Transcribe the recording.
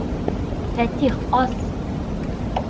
Фәтих, ас!